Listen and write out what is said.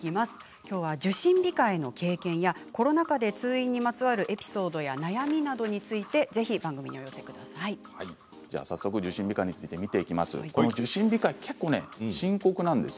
きょうは受診控えの経験やコロナ禍で通院にまつわるエピソードや悩みなどについて受診控え結構、深刻なんです。